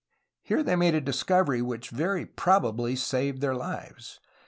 Here they made a dis covery which very probably saved their lives.